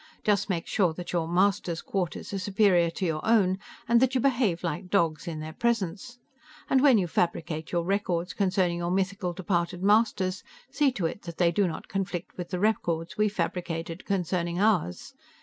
Just make sure that your 'masters' quarters are superior to your own, and that you behave like dogs in their presence. And when you fabricate your records concerning your mythical departed masters, see to it that they do not conflict with the records we fabricated concerning ours.